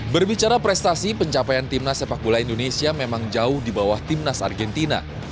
berbicara prestasi pencapaian timnas sepak bola indonesia memang jauh di bawah timnas argentina